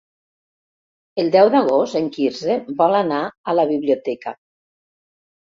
El deu d'agost en Quirze vol anar a la biblioteca.